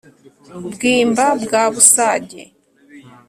bwimba bwa busage